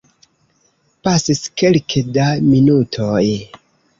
Pasis kelke da minutoj.